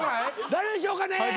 誰でしょうかね。